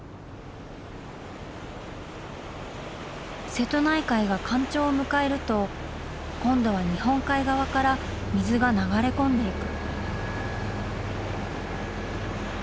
瀬戸内海が干潮を迎えると今度は日本海側から水が流れ込んでいく。